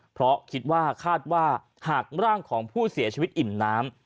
เพราะคิดว่าคาดว่าหากร่างของผู้เสียชีวิตอิ่มน้ำ